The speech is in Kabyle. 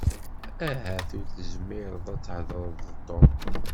Ahat ur tezmireḍ ad thedreḍ d Tom.